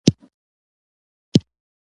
برج خلیفه او مشهور شاپینګ مال ولیدل.